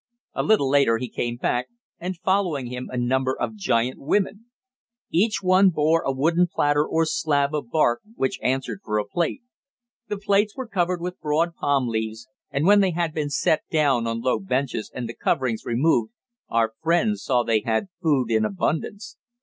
A little later he came back, and following him, a number of giant women. Each one bore a wooden platter or slab of bark which answered for a plate. The plates were covered with broad palm leaves, and when they had been set down on low benches, and the coverings removed, our friends saw they had food in abundance.